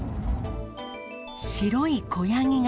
白い子ヤギが。